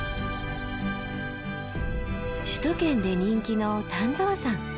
首都圏で人気の丹沢山。